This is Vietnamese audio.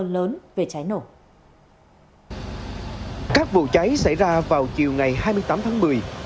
các vụ cháy xảy ra vào chiều ngày hai mươi tám tháng một mươi